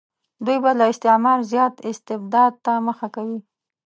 دوی به له استعمار زیات استبداد ته مخه کوي.